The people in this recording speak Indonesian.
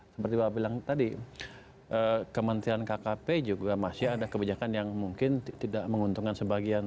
seperti bapak bilang tadi kementerian kkp juga masih ada kebijakan yang mungkin tidak menguntungkan sebagian